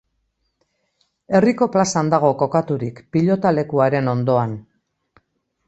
Herriko plazan dago kokaturik, pilotalekuaren ondoan.